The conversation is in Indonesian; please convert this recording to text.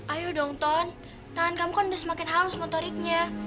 ayo dong ton tangan kamu kan udah semakin haus motoriknya